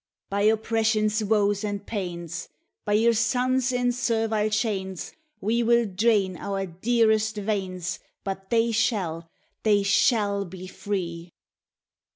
By oppression's woes and pains! By your sons in servile chains! We will drain our dearest veins, But they shall they shall be free!